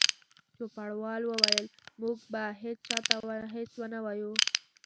چوپړوال وویل: موږ به هیڅ چا ته هیڅ ونه وایو.